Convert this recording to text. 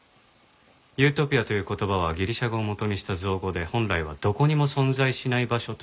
ユートピアという言葉はギリシャ語を元にした造語で本来は「どこにも存在しない場所」という意味です。